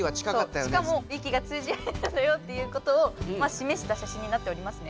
しかもいきが通じ合えたんだよっていうことをしめした写真になっておりますね。